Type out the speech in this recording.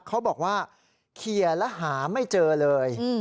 เขาบอกว่าเคลียร์แล้วหาไม่เจอเลย